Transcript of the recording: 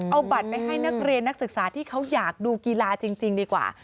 เอาบัตรไปให้นักเรียนนักศึกษาที่เขาอยากดูกีฬาจริงดีกว่า